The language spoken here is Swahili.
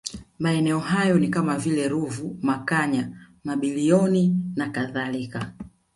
Maeneo hayo ni kama vile Ruvu Makanya Mabilioni na kadhalika